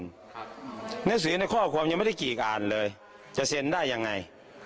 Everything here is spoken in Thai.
หนังสือในข้อความยังไม่ได้กี่อ่านเลยจะเซ็นได้ยังไง